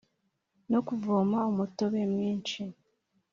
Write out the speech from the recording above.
no kuvoma umutobe mwinshi